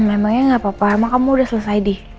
emangnya nggak apa apa emang kamu udah selesai di